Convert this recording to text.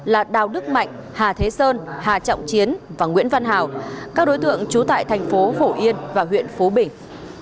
là đào đức mạnh hà thế sơn hà trọng chiến và nguyễn văn hào các đối tượng trú tại thành phố phổ yên và huyện phú bình